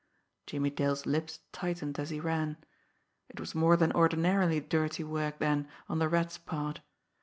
Jimmie Dale's lips tightened as he ran. It was more than ordinarily dirty work, then, on the Rat's part.